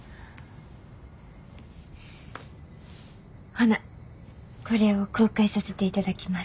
ほなこれを公開させていただきます。